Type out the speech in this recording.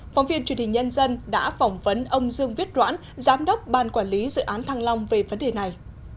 phóng viên truyền hình nhân dân đã phỏng vấn ông dương viết doãn giám đốc ban quản lý dự án thăng long về vấn đề này